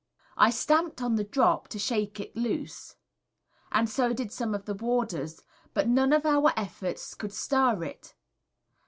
I stamped on the drop, to shake it loose, and so did some of the warders, but none of our efforts could stir it.